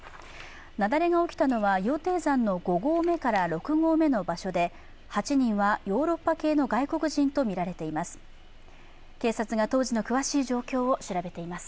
雪崩が起きたのは羊蹄山の５合目から６合目の場所で８人はヨーロッパ系の外国人とみられています。